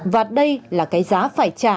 và đây là cái giá phải trả